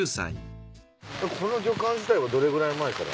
この旅館自体はどれくらい前から？